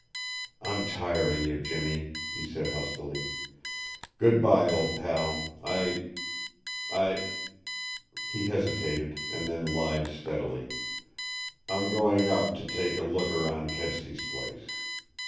"I'm tiring you, Jimmy," he said huskily. "Good by, old pal! I I " He hesitated and then lied steadily. "I'm going up to take a look around Kedsty's place.